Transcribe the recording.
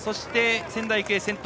仙台育英、先頭。